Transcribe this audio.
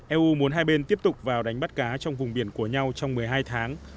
eu muốn hai bên tiếp tục vào đánh bắt cá trong vùng biển của nhau trong một mươi hai tháng